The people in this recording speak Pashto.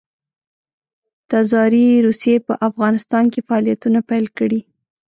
تزاري روسیې په افغانستان کې فعالیتونه پیل کړي.